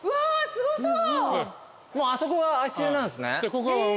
すごそう。